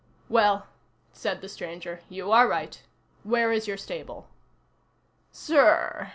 "Well!" said the stranger, "you are right. Where is your stable?" "Sir!"